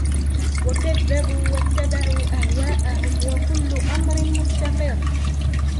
وَكَذَّبُوا وَاتَّبَعُوا أَهْوَاءَهُمْ وَكُلُّ أَمْرٍ مُسْتَقِرٌّ